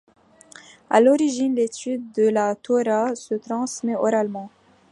À l'origine, l'étude de la Torah se transmettait oralement.